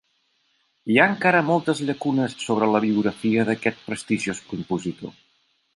Hi ha encara moltes llacunes sobre la biografia d'aquest prestigiós compositor.